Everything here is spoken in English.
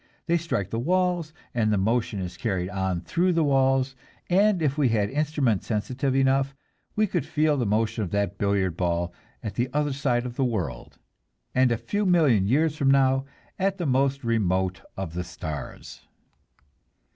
They strike the walls, and the motion is carried on through the walls, and if we had instruments sensitive enough, we could feel the motion of that billiard ball at the other side of the world, and a few million years from now at the most remote of the stars.